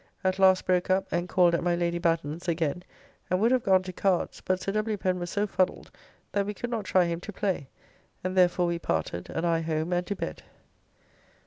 At last broke up, and called at my Lady Batten's again and would have gone to cards, but Sir W. Pen was so fuddled that we could not try him to play, and therefore we parted, and I home and to bed.